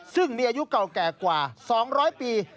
ซึ่งมีอายุเก่าแก่กว่า๒๐๐ปี